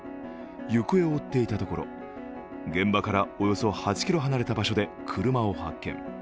行方を追っていたところ、現場からおよそ８ｋｍ離れた場所で車を発見。